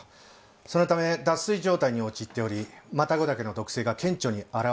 そのため脱水状態に陥っておりマタゴダケの毒性が顕著に表れたものと考えられます。